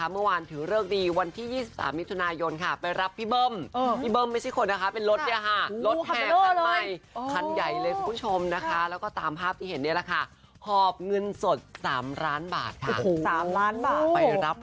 เอามือมาแล้วหลวงตาก็ให้ไอ้หลวงมา